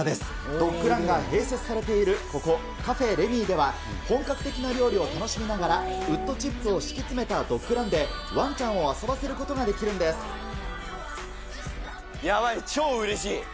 ドッグランが併設されているここ、カフェレミィでは本格的な料理を楽しみながら、ウッドチップを敷き詰めたドッグランでワンちゃんを遊ばせることやばい、超うれしい！